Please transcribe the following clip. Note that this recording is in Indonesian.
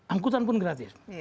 angkutan pun gratis